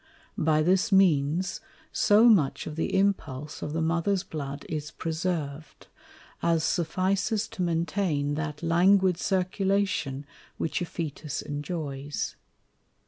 By this means so much of the Impulse of the Mother's Blood is preserv'd, as suffices to maintain that languid Circulation which a Fœtus enjoys.